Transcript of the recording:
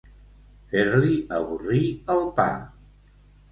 Fer-li avorrir el pa.